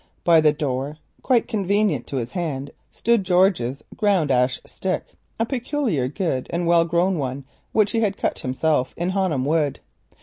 By the door quite convenient to his hand stood George's ground ash stick, a peculiarly good and well grown one which he had cut himself in Honham wood.